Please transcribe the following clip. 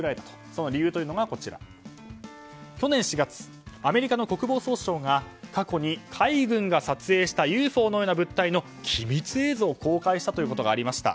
その理由が、去年４月アメリカの国防総省が過去に海軍が撮影したＵＦＯのような物体の機密映像を公開したということがありました。